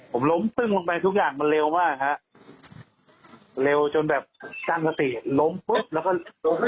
ผมล้มตึ้งลงไปทุกอย่างมันเร็วมากฮะเร็วจนแบบตั้งสติล้มปุ๊บแล้วก็ล้ม